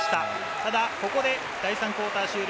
ただここで第３クオーター終了。